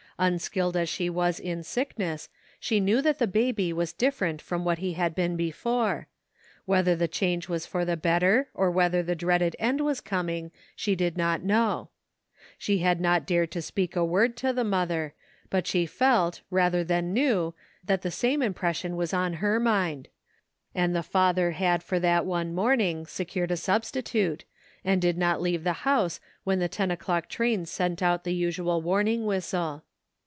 Unskilled as she was in sickness, she knew that the Baby was different from what he had been before ; whether the change was for the better, or whether the dreaded end was coming she did not know. She had not dared to speak a word to the mother, but she felt, rather than knew, that the same impression was on her mind ; and the father had for that one morning secured a substi tute, and did not leave the house when the ten o'clock train sent out the usual warning whistle.